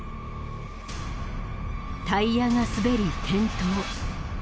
タイヤが滑り転倒。